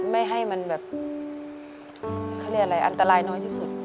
ไม่ให้มันอันตรายน้อยที่สุด